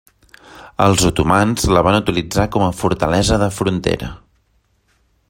Els otomans la van utilitzar com a fortalesa de frontera.